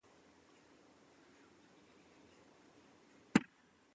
The manuscripts of the "Greek Anthology" are the sole source of these epigrams.